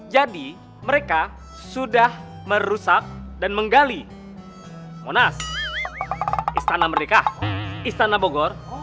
jadi mereka sudah merusak dan menggali monas istana merdeka istana bogor